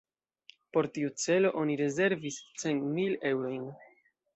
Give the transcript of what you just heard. Por tiu celo oni rezervis cent mil eŭrojn.